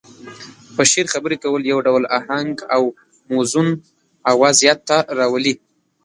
په شعر خبرې کول يو ډول اهنګ او موزون اواز ياد ته راولي.